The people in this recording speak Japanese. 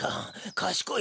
かしこい